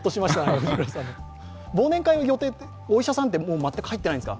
忘年会の予定、お医者さんは全く入っていないんですか？